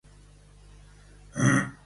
Por tanto, la v.a.